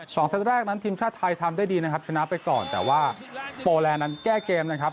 เซตแรกนั้นทีมชาติไทยทำได้ดีนะครับชนะไปก่อนแต่ว่าโปรแลนดนั้นแก้เกมนะครับ